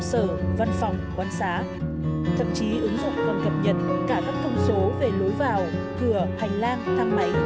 thậm chí ứng dụng còn cập nhật cả các thông số về lối vào cửa hành lang thang mảy